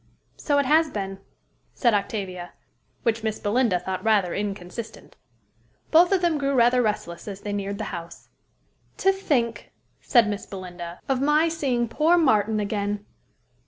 "So it has been," said Octavia, which Miss Belinda thought rather inconsistent. Both of them grew rather restless as they neared the house. "To think," said Miss Belinda, "of my seeing poor Martin again!"